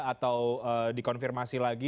atau dikonfirmasi lagi